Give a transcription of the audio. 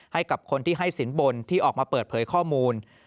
ให้กับคนที่ให้สินบนที่ออกมาเปิดเผยข้อมูล